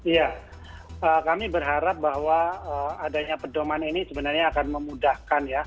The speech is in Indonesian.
ya kami berharap bahwa adanya pedoman ini sebenarnya akan memudahkan ya